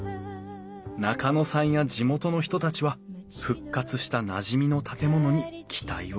中野さんや地元の人たちは復活したなじみの建物に期待を寄せている。